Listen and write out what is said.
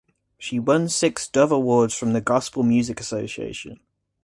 She won six Dove Awards from the Gospel Music Association.